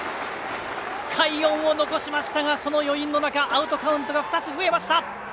快音を残しましたがその余韻の中アウトカウントが２つ増えました。